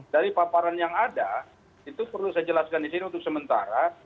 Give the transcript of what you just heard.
dari paparan yang ada itu perlu saya jelaskan di sini untuk sementara